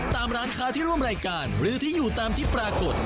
ตามร้านค้าที่ร่วมรายการหรือที่อยู่ตามที่ปรากฏ